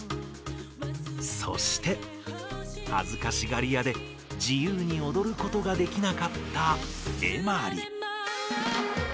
そしてはずかしがりやで自由におどることができなかったエマリ。